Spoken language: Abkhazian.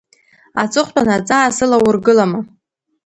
Аҵыхәтәан аҵаа сылаургылама?